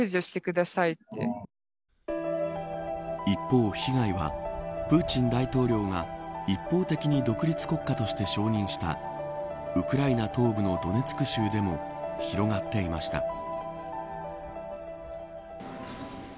一方、被害はプーチン大統領が一方的に独立国家として承認したウクライナ東部のドネツク州でも広がっていました。